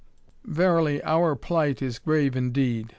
"Verily, our plight is grave indeed.